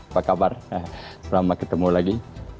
apa kabar selamat ketemu lagi